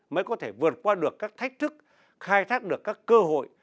mới có thể vượt qua được các thách thức khai thác được các cơ hội